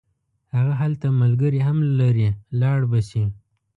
هغه هلته ملګري هم لري لاړ به شي.